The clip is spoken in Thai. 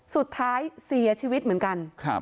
สุดท้ายเสียชีวิตเหมือนกัน